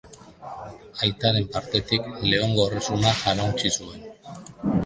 Aitaren partetik Leongo Erresuma jarauntsi zuen.